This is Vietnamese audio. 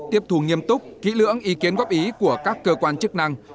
tiếp thù nghiêm túc kỹ lưỡng ý kiến góp ý của các cơ quan chức năng